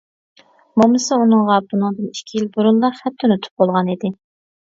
مومىسى ئۇنىڭغا بۇنىڭدىن ئىككى يىل بۇرۇنلا خەت تونۇتۇپ بولغانىدى.